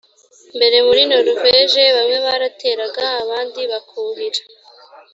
mbere muri noruveje bamwe barateraga abandi bakuhira